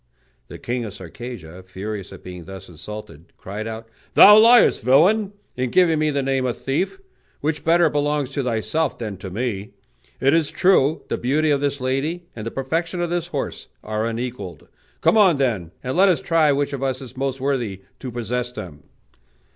The king of Circassia, furious at being thus insulted, cried out, "Thou liest, villain, in giving me the name of thief, which better belongs to thyself than to me. It is true, the beauty of this lady and the perfection of this horse are unequalled; come on, then, and let us try which of us is most worthy to possess them."